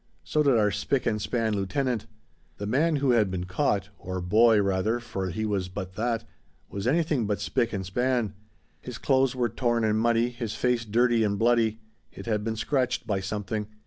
So did our spick and span lieutenant. The man who had been caught or boy, rather, for he was but that was anything but spick and span. His clothes were torn and muddy, his face dirty and bloody it had been scratched by something.